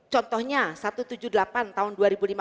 contohnya satu ratus tujuh puluh delapan tahun dua ribu lima belas